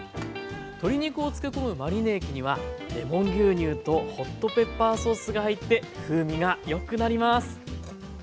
鶏肉を漬け込むマリネ液にはレモン牛乳とホットペッパーソースが入って風味がよくなります。